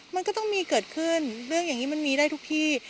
มันก็ต้องมีเกิดขึ้นเรื่องอย่างนี้มันมีได้ทุกที่